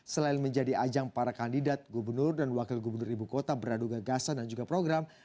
selain menjadi ajang para kandidat gubernur dan wakil gubernur ibu kota beradu gagasan dan juga program